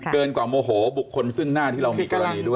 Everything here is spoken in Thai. เกินกว่าโมโหบุคคลซึ่งหน้าที่เรามีกรณีด้วย